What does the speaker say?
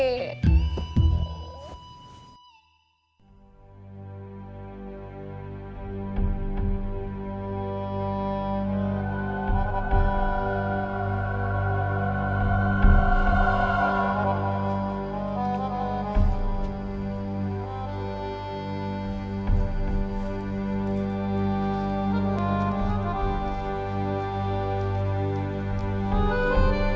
tidak ada yang bisa diangkat